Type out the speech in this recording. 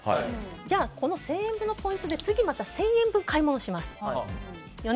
じゃあ、この１０００円分のポイントで次また１０００円分買い物をしますよね。